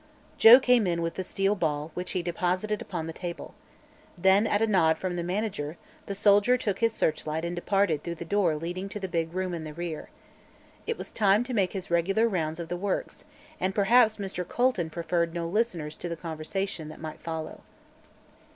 Joe came in with the steel ball, which he deposited upon the table. Then, at a nod from the manager, the soldier took his searchlight and departed through the door leading to the big room in the rear. It was time to make his regular rounds of the works, and perhaps Mr. Colton preferred no listeners to the conversation that might follow.